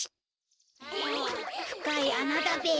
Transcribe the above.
ふかいあなだべ。